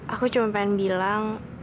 aku cuma pengen bilang